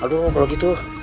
aduh kalau gitu